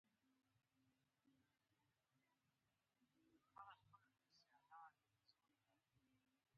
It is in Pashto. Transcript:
ډیجیټل بانکوالي د زوړ بانکي سیستم بدیل ګرځي.